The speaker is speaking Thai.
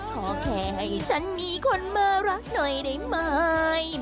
ขอแค่ให้ฉันมีคนมารักหน่อยได้ไหม